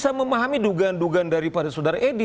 saya bisa memahami dugaan dugaan dari para saudara edy